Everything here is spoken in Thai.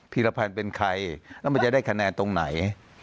ีรพันธ์เป็นใครแล้วมันจะได้คะแนนตรงไหน